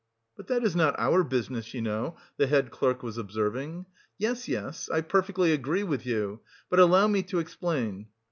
"But that is not our business, you know," the head clerk was observing. "Yes, yes. I perfectly agree with you. But allow me to explain..."